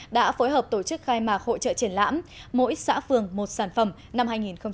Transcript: đã phối hợp tổ chức khai mạc hội trợ triển lãm mỗi xã phường một sản phẩm năm hai nghìn một mươi chín